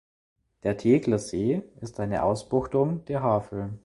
Der Tegeler See ist eine Ausbuchtung der Havel.